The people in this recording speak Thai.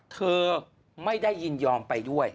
เธอไม่ได้ยินยอมไปด้วย